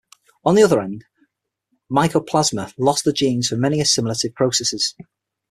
On the other hand, mycoplasma lost the genes for many assimilative processes.